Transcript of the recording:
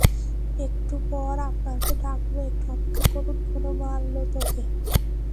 একটু পর আপনাকে ডাকবো একটু অপেক্ষা করুন কেনো মারলো তোকে?